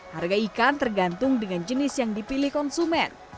harga ikan tergantung dengan jenis yang dipilih konsumen